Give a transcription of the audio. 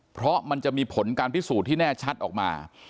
เพราะมันจะมีผลการพิสูจน์ที่แน่ชัดออกมา